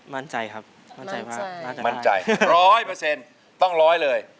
มั่นใจครับมั่นใจมากมั่นใจร้อยเปอร์เซ็นต์ต้องร้อยเลย